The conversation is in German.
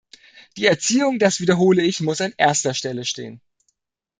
Die Erziehung das wiederhole ich muss an erster Stelle stehen.